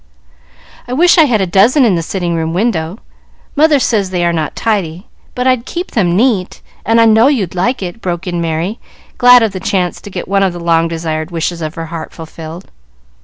"I wish I had a dozen in the sitting room window. Mother says they are not tidy, but I'd keep them neat, and I know you'd like it," broke in Merry, glad of the chance to get one of the long desired wishes of her heart fulfilled.